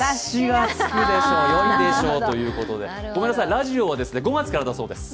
ラジオは５月からだそうです。